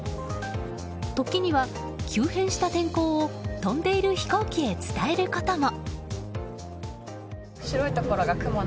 時には、急変した天候を飛んでいる飛行機へ伝えることも。